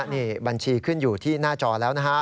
นี่บัญชีขึ้นอยู่ที่หน้าจอแล้วนะฮะ